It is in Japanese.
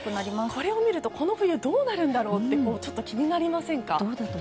これを見ると、この冬どうなるんだろうって気になりませんか。